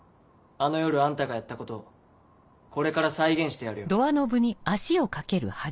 あの夜あんたがやったことをこれから再現してやるよ。